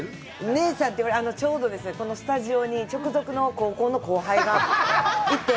姉さんってちょうどそのスタジオに直属の高校の後輩がいて。